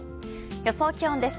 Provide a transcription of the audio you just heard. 予想気温です。